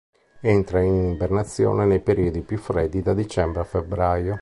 Entra in ibernazione nei periodi più freddi da dicembre a febbraio.